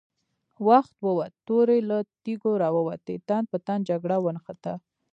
وخت ووت، تورې له تېکو را ووتې، تن په تن جګړه ونښته!